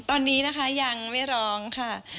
ตอนนี้นะคะยังไม่ร้องค่ะ